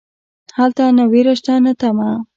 هلته نه ویره شته نه تمه.